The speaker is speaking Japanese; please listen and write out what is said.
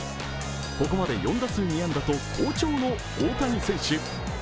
ここまで４打数２安打と好調の大谷選手。